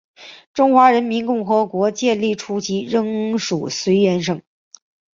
中华人民共和国建立初期仍属绥远省。